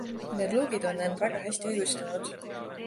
Need luugid on end väga hästi õigustanud.